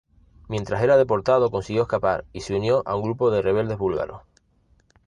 Mientras era deportado consiguió escapar, y se unió a un grupo de rebeldes búlgaros.